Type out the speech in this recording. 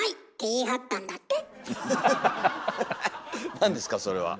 何ですかそれは。